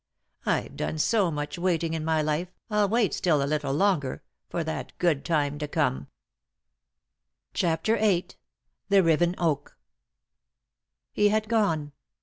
I've done so much wait ing in my life, I'll wait still a little longer— for that good time to come." 3i 9 iii^d by Google CHAPTER VIII THE RIVEN OAK He had gone.